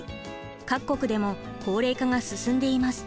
各国でも高齢化が進んでいます。